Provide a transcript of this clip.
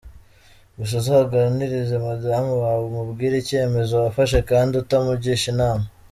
Gusa uzaganirize madam wawe umubwire icyemezo wafashe kd utamugisha inama.